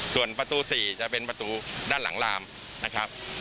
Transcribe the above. ส่วนประตู๔จะเป็นประตูด้านหลังลามนะครับ